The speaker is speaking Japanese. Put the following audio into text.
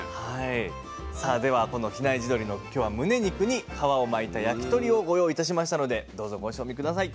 さあではこの比内地鶏の今日はむね肉に皮を巻いた焼き鳥をご用意いたしましたのでどうぞご賞味下さい。